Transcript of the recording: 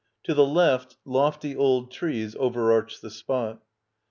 To the left, lofty old trees overarch the spot.